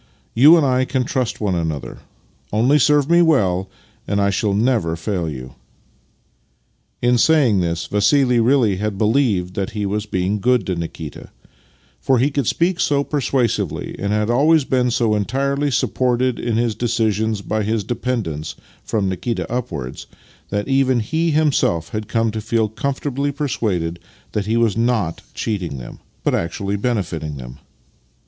You and I can trust one another. Only serve me well, and I shall never fail you." In saying this, Vassili really had believed that he was being good to Nikita, for he could speak so persuasively and had always been so entirely supported in his de cisions by his dependents, from Nikita upwards, that even he himself had come to feel comfortably per suaded that he was not cheating them, but actually benefiting them.